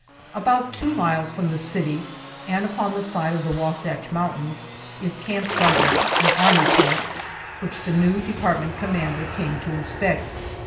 About two miles from the city, and upon the side of the Wasatch Mountains, is Camp Douglas, an army post, which the new department commander came to inspect.